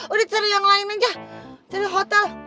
udah cari yang lain aja cari hotel